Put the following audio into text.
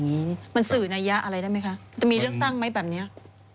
มันสื่อนัยยะอะไรได้ไหมคะจะมีเลือกตั้งไหมแบบเนี้ย